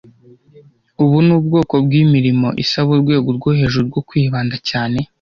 Ubu ni ubwoko bwimirimo isaba urwego rwo hejuru rwo kwibanda cyane